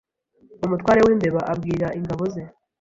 Umutware w'imbeba abwira ingabo ze